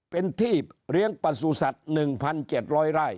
เป็นที่เลี้ยงประสูจจหนึ่งพันเจ็ดร้อยไร้